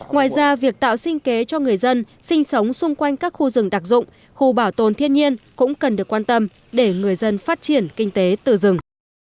ngoài ra việc tạo sinh kế cho người dân sinh sống xung quanh các khu rừng đặc dụng khu bảo tồn thiên nhiên cũng cần được quan tâm để người dân phát triển kinh tế từ rừng